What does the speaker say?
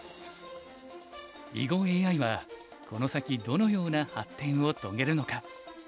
囲碁ＡＩはこの先どのような発展を遂げるのか。